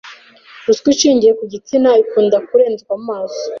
Ruswa ishingiye ku gitsina ikunda kurenzwa amaso